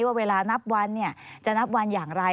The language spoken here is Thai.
ว่าเวลานับวันจะนับวันอย่างไร